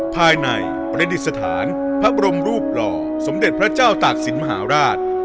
ภายในประดิษฐานพระบรมรูปหล่อสมเด็จพระเจ้าตากศิลปมหาราช